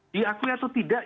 diakui atau tidak